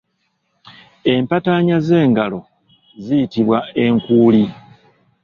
Empataanya z’engalo ziyitibwa enkuuli.